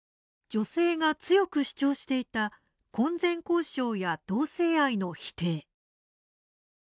女性が強く主張していた婚前交渉や、同性愛の否定。